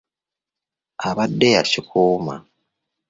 Ebadde ya kikuuma.